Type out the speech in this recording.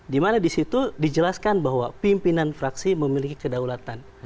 dimana di situ dijelaskan bahwa pimpinan fraksi memiliki kedaulatan